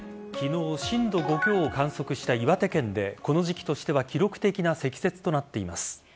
昨日震度５強を観測した岩手県でこの時期としては記録的な積雪となっています。